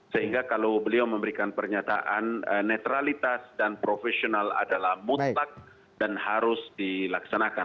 sehingga kalau beliau memberikan pernyataan netralitas dan profesional adalah mutlak dan harus dilaksanakan